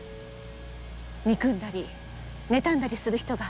憎んだり妬んだりする人が